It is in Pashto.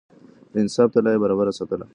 د انصاف تله يې برابره ساتله.